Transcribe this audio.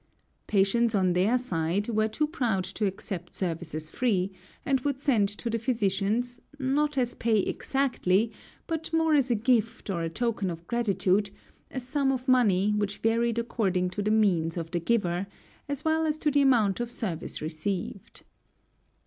Patients, on their side, were too proud to accept services free, and would send to the physicians, not as pay exactly, but more as a gift or a token of gratitude, a sum of money which varied according to the means of the giver, as well as to the amount of service received.